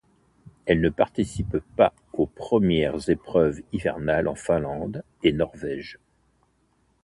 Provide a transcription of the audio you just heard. Elle ne participe pas aux premières épreuves hivernales en Finlande et Norvège.